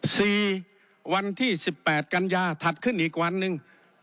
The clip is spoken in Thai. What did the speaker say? วันที่สิบแปดกันยาถัดขึ้นอีกวันหนึ่ง